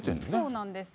そうなんです。